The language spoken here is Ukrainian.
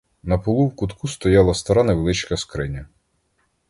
На полу в кутку стояла стара невеличка скриня.